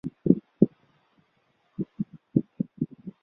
艾叶交石窟的历史年代为北齐。